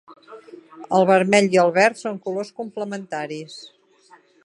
El vermell i el verd són colors complementaris.